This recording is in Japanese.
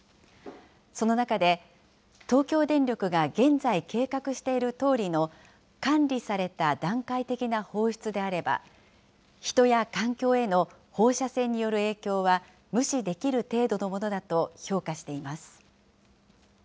その中で、東京電力が現在計画しているとおりの管理された段階的な放出であれば、人や環境への放射線による影響は無視できる程度のものだと評価しています。